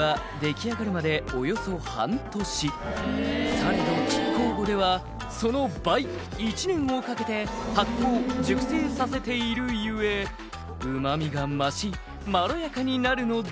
「されどもキッコーゴではその倍」「１年をかけて発酵熟成させている故うま味が増しまろやかになるのだ」